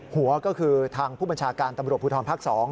หัวก็คือทางผู้บัญชาการตำรวจภูทรภาค๒